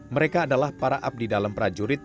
mereka adalah para abdi dalam prajurit